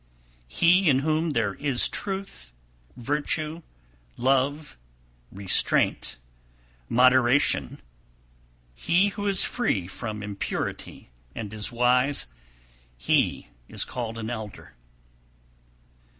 261. He in whom there is truth, virtue, love, restraint, moderation, he who is free from impurity and is wise, he is called an elder.